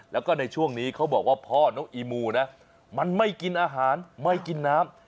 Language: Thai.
แล้วก็ในช่วงนี้เขาบอกว่าพ่อน้องอีมูนะมันไม่กินอาหารไม่กินน้ำ